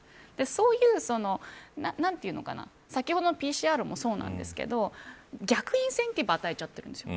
そういう、何て言うのかな先ほどのＰＣＲもそうなんですが逆インセンティブを与えちゃってるんですよ。